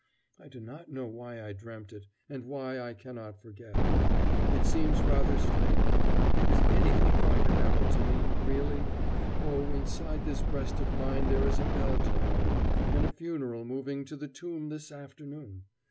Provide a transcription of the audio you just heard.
I do not know why I dreamt it, and why I cannot forget. It seems rather strange. Is anything going to happen to me, really? Oh, inside this breast of mine there is a bell tolling, and a funeral moving to the tomb this afternoon.